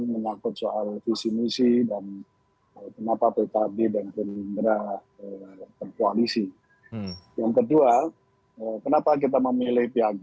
semua mengendaki ada kotel efek